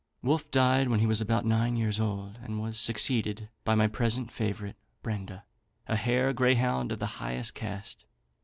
Wolfe died when he was about nine years old, and was succeeded by my present favourite, Brenda, a hare greyhound of the highest caste.